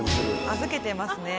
預けてますね。